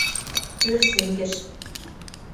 Тӧр сӹнгӹш.